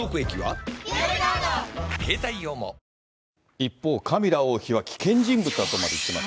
一方、カミラ王妃は危険人物だとまで言っています。